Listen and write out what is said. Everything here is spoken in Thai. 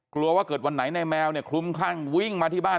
กลัวว่าเกิดวันไหนในแมวเนี่ยคลุมคลั่งวิ่งมาที่บ้าน